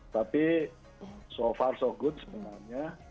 tapi so far so good sebenarnya